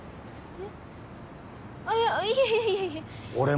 えっ？